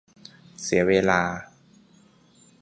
เสียเวลา